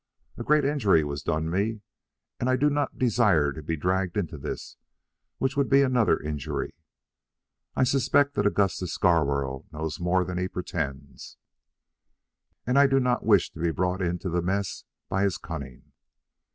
A great injury was done me, and I do not desire to be dragged into this, which would be another injury. I suspect that Augustus Scarborough knows more than he pretends, and I do not wish to be brought into the mess by his cunning.